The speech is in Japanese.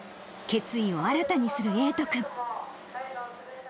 決意を新たにする瑛斗君。